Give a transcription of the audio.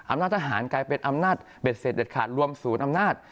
อำนาจทหารกลายเป็นอำนาจเบ็ดเสร็จเด็ดขาดรวมศูนย์อำนาจ